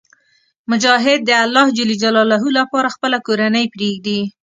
مجاهد د الله لپاره خپله کورنۍ پرېږدي.